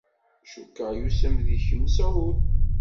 Cukkeɣ yusem deg-k Mesεud.